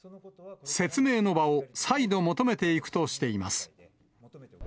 説明の場を再度求めていくとしています。